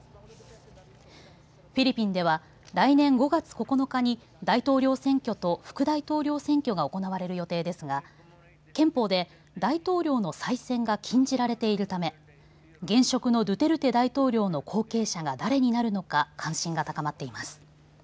フィリピンでは来年５月９日に大統領選挙と副大統領選挙が行われる予定ですが憲法で大統領の再選が禁じられているため現職のドゥテルテ大統領の後継者が誰になるのか関心が高まっています。